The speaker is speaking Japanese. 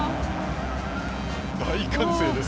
大歓声です。